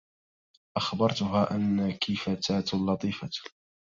أخبرتها أنك فتاة لطيفة.